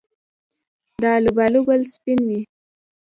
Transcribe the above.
د الوبالو ګل سپین وي؟